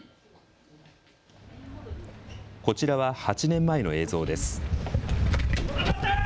こちらは８年前の映像です。